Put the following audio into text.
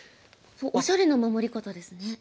おしゃれな守り方ですね。